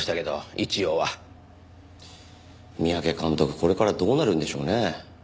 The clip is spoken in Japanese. これからどうなるんでしょうね？